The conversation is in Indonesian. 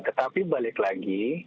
tetapi balik lagi